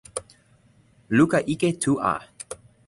luka ike tu a.